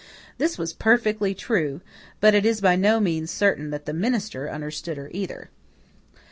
This was perfectly true; but it is by no means certain that the minister understood her either.